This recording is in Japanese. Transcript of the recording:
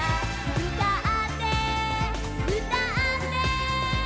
「うたってうたって」